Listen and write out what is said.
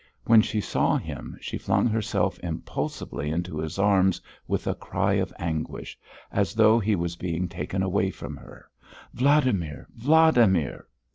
When she saw him she flung herself impulsively into his arms with a cry of anguish, as though he was being taken away from her: "Vladimir! Vladimir!"